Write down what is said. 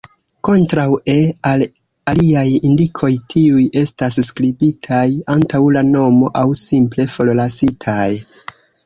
Kontraŭe al aliaj indikoj, tiuj estas skribitaj antaŭ la nomo, aŭ simple forlasitaj.